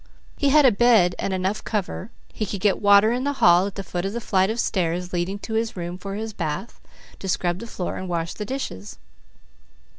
He had a bed and enough cover; he could get water in the hall at the foot of the flight of stairs leading to his room for his bath, to scrub the floor, and wash the dishes.